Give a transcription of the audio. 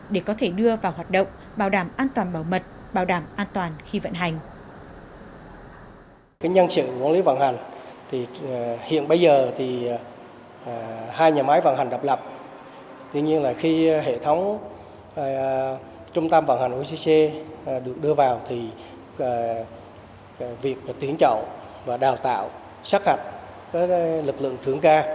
để có thể đưa vào hoạt động bảo đảm an toàn bảo mật bảo đảm an toàn khi vận hành